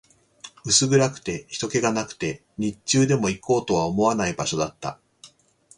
薄暗くて、人気がなくて、日中でも行こうとは思わない場所だった